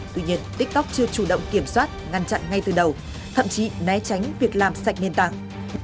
tuy nhiên tiktok chưa chủ động kiểm soát ngăn chặn ngay từ đầu thậm chí né tránh việc làm sạch nền tảng